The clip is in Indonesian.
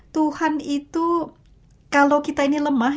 tuhan itu kalau kita ini lemah